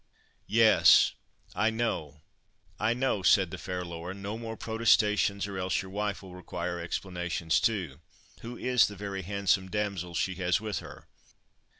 '" "Yes; I know, I know," said the fair Laura; "no more protestations, or else your wife will require explanations, too. Who is the very handsome damsel she has with her?"